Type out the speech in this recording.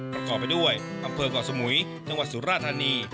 ประกอบไปด้วยอำเภอก่อสมุยจังหวัดสุราธานี